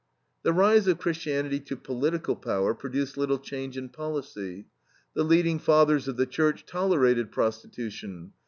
"The rise of Christianity to political power produced little change in policy. The leading fathers of the Church tolerated prostitution.